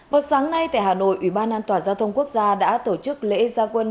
vào sáng nay tại hà nội ủy ban an toàn giao thông quốc gia đã tổ chức lễ gia quân